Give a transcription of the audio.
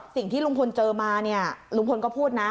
สิ่งที่ลุงพลเจอมาเนี่ยลุงพลก็พูดนะ